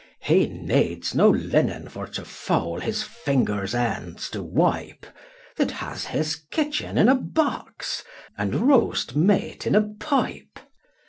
He needs no linnen for to foul His fingers' ends to wipe, That has his kitchen in a box. And roast meat in a pipe.